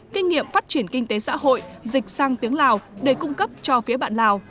kinh nghiệm phát triển kinh tế xã hội dịch sang tiếng lào để cung cấp cho phía bạn lào